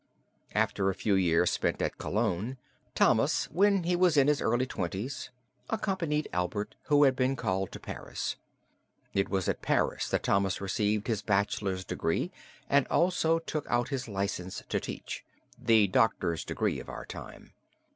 After a few years spent at Cologne, Thomas when he was in his early twenties, accompanied Albert who had been called to Paris. It was at Paris that Thomas received his bachelor's degree and also took out his license to teach the doctor's degree of our time.